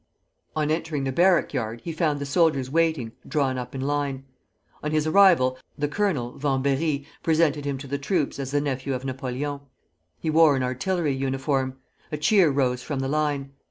On entering the barrack yard he found the soldiers waiting, drawn up in line. On his arrival the colonel (Vambéry) presented him to the troops as the nephew of Napoleon. He wore an artillery uniform. A cheer rose from the line.